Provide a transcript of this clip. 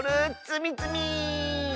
つみつみ！